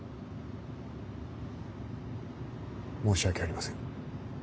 申し訳ありません。